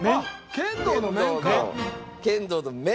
剣道の面。